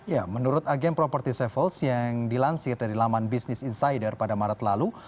ya menurut agen property severs yang dilansir dari laman business insider pada maret lalu